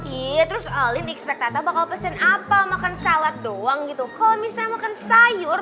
iya terus ali mixpectata bakal pesen apa makan salad doang gitu kalau misalnya makan sayur